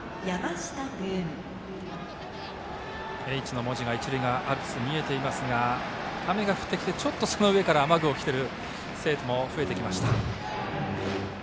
Ｈの文字が一塁側アルプス見えていますが雨が降ってきてその上から雨具を着ている生徒も増えてきました。